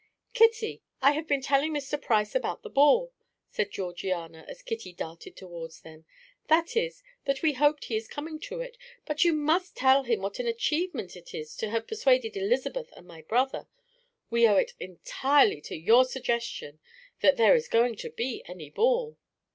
"Kitty, I have been telling Mr. Price about the ball," said Georgiana, as Kitty darted towards them; "that is, that we hope he is coming to it; but you must tell him what an achievement it is to have persuaded Elizabeth and my brother. We owe it entirely to your suggestion that there is going to be any ball."